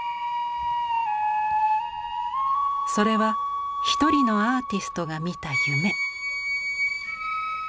それは一人のアーティストが見た夢。